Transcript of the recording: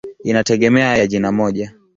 Inategemea ya jina moja.